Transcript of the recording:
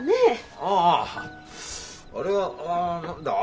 あああああれは何だ？